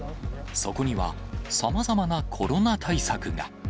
そこには、さまざまなコロナ対策が。